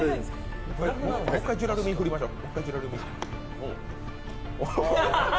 もう１回、ジュラルミン振りましょう。